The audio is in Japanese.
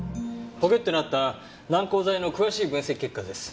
ポケットにあった軟膏剤の詳しい分析結果です。